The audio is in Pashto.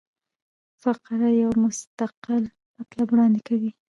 فقره یو مستقل مطلب وړاندي کوي.